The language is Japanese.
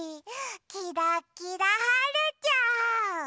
キラキラはるちゃん！